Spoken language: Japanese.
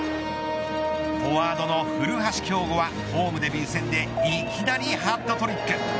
フォワードの古橋亨梧はホームデビュー戦でいきなりハットトリック。